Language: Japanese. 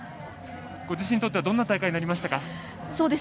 ご自身にとってどんな大会でしたか。